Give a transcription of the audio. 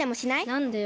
なんでよ？